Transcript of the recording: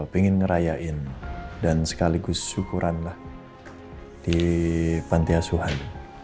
pengen ngerayain dan sekaligus syukuran lah di pantiasuhan